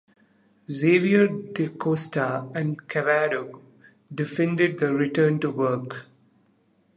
Xavier da Costa and Cavaco defended the return to work.